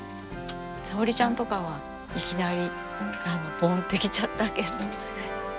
さおりちゃんとかはいきなりぼんって来ちゃったけど。